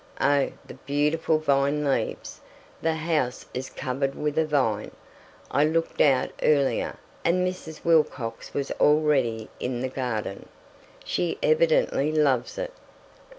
Oh, the beautiful vine leaves! The house is covered with a vine. I looked out earlier, and Mrs. Wilcox was already in the garden. She evidently loves it.